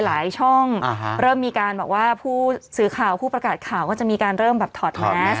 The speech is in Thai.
หลายช่องเริ่มมีการแบบว่าผู้ซื้อข่าวผู้ประกาศข่าวก็จะมีการแบบถอดแมส